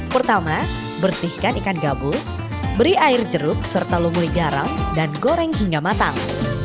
pertama bersihkan ikan gabus beri air jeruk serta lumui garam dan goreng hingga matang